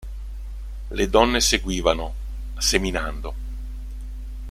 Le donne seguivano, seminando.